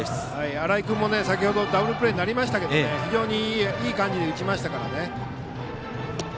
新井君も先程ダブルプレーになりましたけど非常にいい感じで打ちましたから。